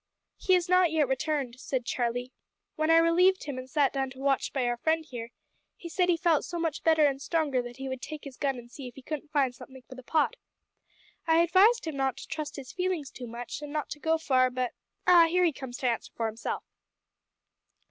"He has not yet returned," said Charlie. "When I relieved him and sat down to watch by our friend here, he said he felt so much better and stronger that he would take his gun and see if he couldn't find something for the pot. I advised him not to trust his feelings too much, and not to go far, but ah, here he comes to answer for himself."